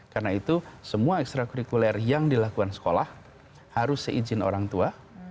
karena itu semua ekstra kurikuler yang dilakukan sekolah harus seizin orang tua